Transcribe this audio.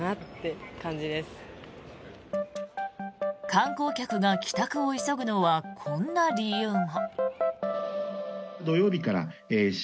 観光客が帰宅を急ぐのはこんな理由も。